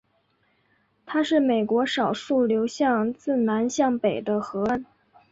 它是美国少数流向自南向北的河川。